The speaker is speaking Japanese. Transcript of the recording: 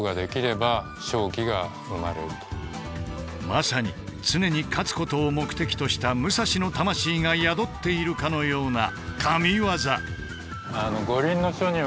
まさに常に勝つことを目的とした武蔵の魂が宿っているかのようなＫＡＭＩＷＡＺＡ。